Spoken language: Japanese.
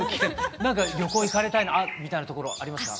なんか旅行行かれたいなみたいなところありますか？